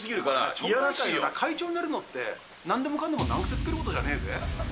いやらしいよ、会長になるのって、なんでもかんでも難癖つけることじゃねーぜ。